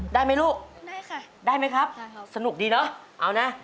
ได้ไหมลูกได้ค่ะได้ไหมครับสนุกดีเนอะเอานะ